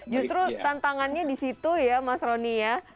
justru tantangannya di situ ya mas roni ya